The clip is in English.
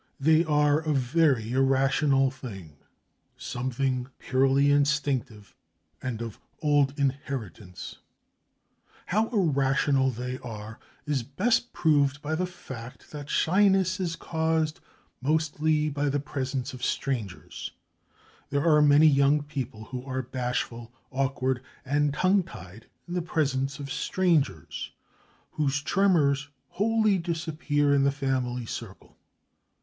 They are a very irrational thing, something purely instinctive and of old inheritance. How irrational they are is best proved by the fact that shyness is caused mostly by the presence of strangers; there are many young people who are bashful, awkward, and tongue tied in the presence of strangers, whose tremors wholly disappear in the family circle.